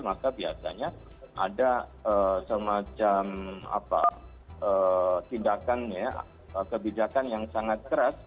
maka biasanya ada semacam tindakan kebijakan yang sangat keras